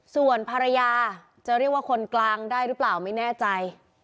ส่วนภรรยาจะเรียกว่าคนกลางได้หรือเปล่าไม่แน่ใจ